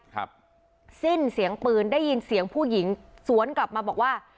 ครับสิ้นเสียงปืนได้ยินเสียงผู้หญิงสวนกลับมาบอกว่า